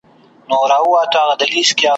د پیر بابا له برکته بارانونه لیکي `